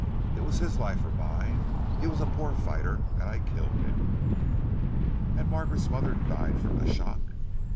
It was his life or mine. He was a poor fighter and I killed him." "And Margaret's mother died from the shock."